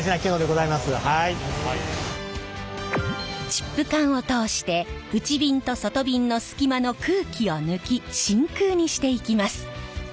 チップ管を通して内びんと外びんの隙間の空気を抜き真空にしていきます。